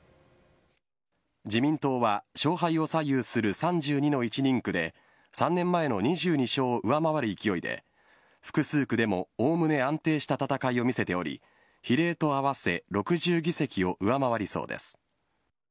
自民党は勝敗を左右する３２の１人区で３年前の２２勝を上回る勢いで複数区でもおおむね安定した戦いを見せており比例と合わせ６０議席を上回りそうです。